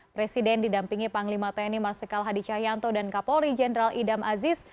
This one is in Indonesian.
presiden didampingi panglima tni marsikal hadi cahyanto dan kapolri jenderal idam aziz